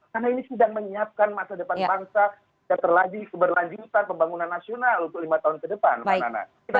karena ini sedang menyiapkan masa depan bangsa yang terlaji keberlanjutan pembangunan nasional untuk lima tahun ke depan puan nana